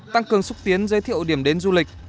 tăng cường xúc tiến giới thiệu điểm đến du lịch